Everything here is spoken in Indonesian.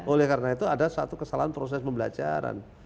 oleh karena itu ada satu kesalahan proses pembelajaran